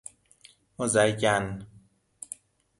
مزین